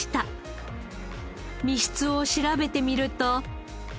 身質を調べてみると。